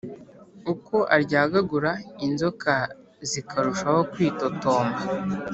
uko aryagagura inzoka zikarushaho kwitotomba,